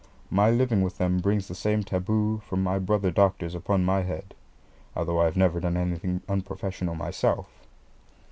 My living with them brings the same taboo from my brother doctors upon my head, although I have never done anything unprofessional myself.